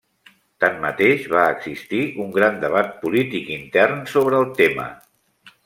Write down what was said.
Tanmateix, va existir un gran debat polític intern sobre el tema.